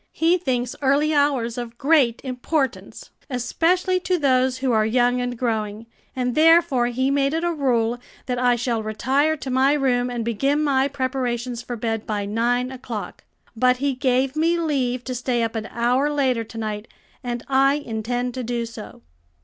He thinks early hours of great importance, especially to those who are young and growing, and therefore he made it a rule that I shall retire to my room and begin my preparations for bed by nine o'clock. But he gave me leave to stay up an hour later to night, and I intend to do so."